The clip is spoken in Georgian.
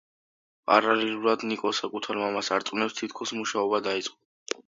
პარალელურად ნიკო საკუთარ მამას არწმუნებს, თითქოს მუშაობა დაიწყო.